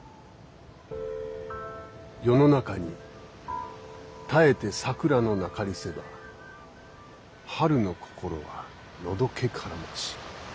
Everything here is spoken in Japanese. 「世の中にたえて桜のなかりせば春の心はのどけからまし」。